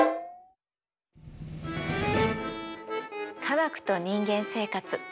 「科学と人間生活」